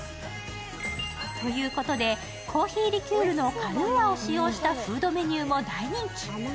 ということで、コーヒーリキュールのカルーアを使用したフードメニューも大人気。